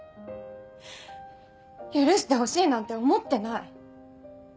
許してほしいなんて思ってない。